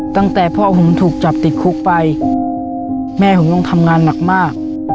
ตั้งแต่พ่อผมถูกจับติดคุกไปแม่ผมต้องทำงานหนักมาก